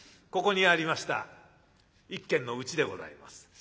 ここにありました一軒のうちでございます。